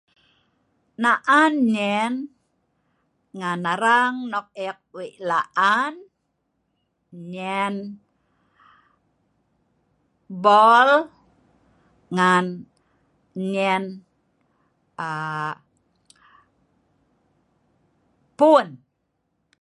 Naan nyen ngan arang nok ek wei' laan, nyel ball ngan nyen aaa pun.